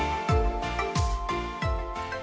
jadi kita berkonsumsi dengan masyarakat indonesia